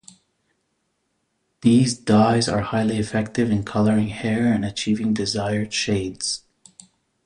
These dyes are highly effective in coloring hair and achieving desired shades.